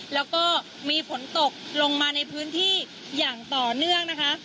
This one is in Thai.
แล้วก็มีฝนตกลงมาในพื้นที่อย่างต่อเนื่องนะคะ